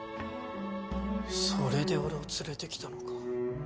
それで俺を連れてきたのか。